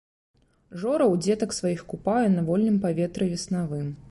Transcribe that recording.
Жораў дзетак сваіх купае на вольным паветры веснавым.